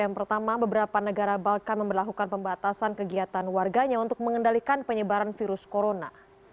yang pertama beberapa negara bahkan memperlakukan pembatasan kegiatan warganya untuk mengendalikan penyebaran virus corona